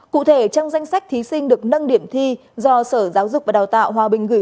cụ thể trong danh sách thí sinh được nâng điểm thi do sở giáo dục và đào tạo